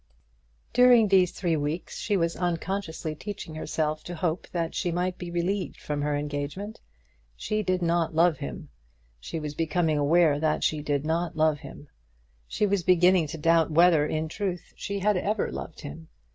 During these three weeks she was unconsciously teaching herself to hope that she might be relieved from her engagement. She did not love him. She was becoming aware that she did not love him. She was beginning to doubt whether, in truth, she had ever loved him.